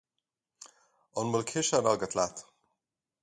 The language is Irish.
An bhfuil ciseán agat leat?